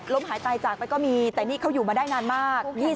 หายตายจากไปก็มีแต่นี่เขาอยู่มาได้นานมาก